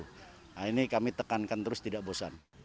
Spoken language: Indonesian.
nah ini kami tekankan terus tidak bosan